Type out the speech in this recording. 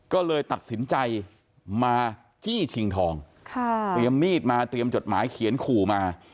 ก็เลยตัดสินใจมาจี้ชิงทองเตรียมมีดมาเตรียมจดหมายเขียนขู่มา